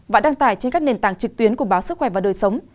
và đăng tải trên các nền tảng trực tuyến của báo sức khỏe và đời sống